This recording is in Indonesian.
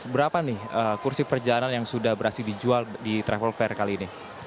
berapa nih kursi perjalanan yang sudah berhasil dijual di travel fair kali ini